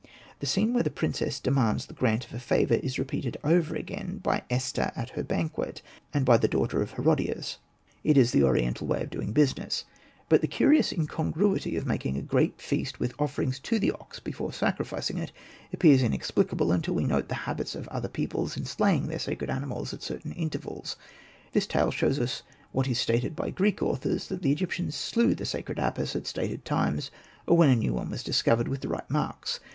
The scene where the princess demands the grant of a favour is repeated over again by Esther at her banquet, and by the daughter of Herodias. It is the Oriental way of doing Hosted by Google REMARKS 8i business. But the curious incongruity of making a great feast with offerings to the ox before sacrificing it, appears inexplicable until we note the habits of other peoples in slaying their sacred animals at certain intervals. This tale shows us what is stated by Greek authors, that the Egyptians slew the sacred Apis at stated times, or when a new one was dis covered with the right marks.